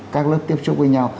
các lớp tiếp xúc với nhau